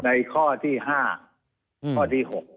ในข้อที่๕ข้อที่๖